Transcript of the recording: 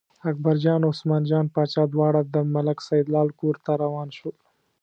اکبرجان او عثمان جان باچا دواړه د ملک سیدلال کور ته روان شول.